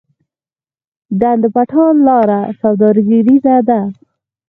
ډنډ پټان لاره سوداګریزه ده؟